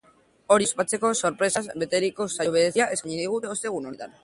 Hori ospatzeko, sorpresaz beteriko saio berezia eskaini digute ostegun honetan.